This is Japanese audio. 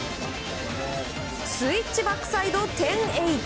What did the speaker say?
スイッチバックサイド１０８０！